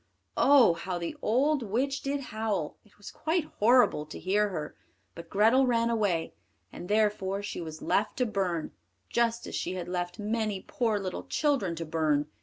Oh! how the old witch did howl, it was quite horrible to hear her. But Grethel ran away, and therefore she was left to burn, just as she had left many poor little children to burn.